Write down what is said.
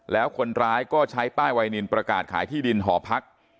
แล้วคนร้ายก็ใช้ป้ายไวนินประกาศขายที่ดินหอพัก